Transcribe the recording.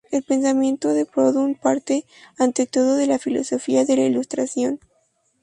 El pensamiento de Proudhon parte, ante todo, de la filosofía de la Ilustración.